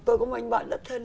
tôi có một anh bạn rất thân